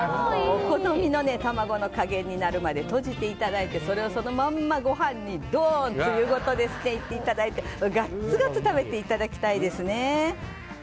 好みの卵の加減になるまでとじていただいてそれをそのままご飯にドン！といっていただいてガッツガツ食べていただきたいですね。